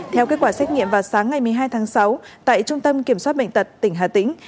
theo kết quả xét nghiệm vào sáng ngày một mươi hai tháng sáu tại trung tâm kiểm soát bệnh tật tỉnh hà tĩnh